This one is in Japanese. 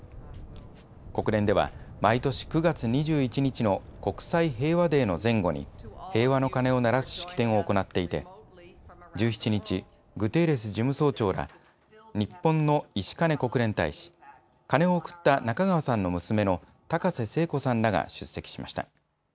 国連では、毎年９月２１日の国際平和デーの前後に平和の鐘を鳴らす式典を行っていて１７日、グテーレス事務総長ら日本の石兼国連大使鐘を贈った中川さんの娘の高瀬聖子さんらが出席しました。